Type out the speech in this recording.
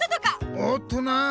おっとな！